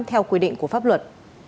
theo quy định của pháp luật